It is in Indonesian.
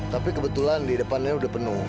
tapi kebetulan di depannya sudah penuh